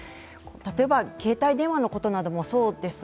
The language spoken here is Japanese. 例えば携帯電話のことなどもそうです。